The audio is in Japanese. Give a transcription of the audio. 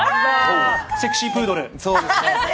セクシープードル。